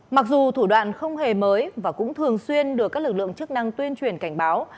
mặc dù thủ đoạn không hề mới và cũng thường xuyên được các lực lượng chức năng tuyên truyền cảnh báo